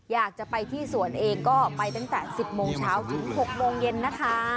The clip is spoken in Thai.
อยากจะไปที่สวนเองก็ไปตั้งแต่๑๐โมงเช้าถึง๖โมงเย็นนะคะ